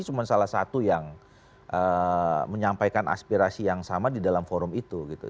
cuma salah satu yang menyampaikan aspirasi yang sama di dalam forum itu gitu